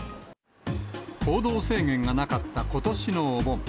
行動制限がなかったことしのお盆。